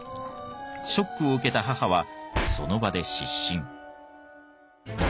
ショックを受けた母はその場で失神。